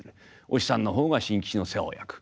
お師匠さんの方が新吉の世話を焼く。